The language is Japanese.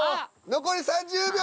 残り２０秒！